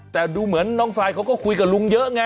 แต่ดูเหมือนน้องซายเขาก็คุยกับลุงเยอะไง